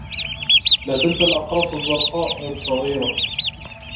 لا تنسَ الأقراص الزّرقاء الصّغيرة.